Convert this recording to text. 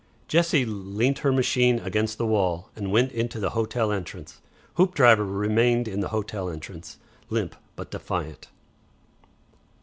Jessie leant her machine against the wall, and went into the hotel entrance. Hoopdriver remained in the hotel entrance, limp but defiant.